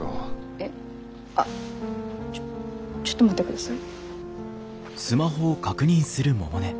えっあちょちょっと待ってください。